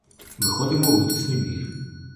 Виходимо у внутрішній двір.